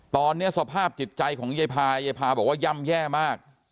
ตอนนี้สภาพจิตใจของยายพายายพาบอกว่าย่ำแย่มาก